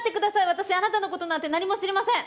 私あなたの事なんて何も知りません！